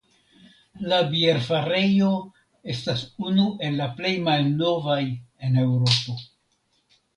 La bierfarejo estas unu el la plej malnovaj en Eŭropo.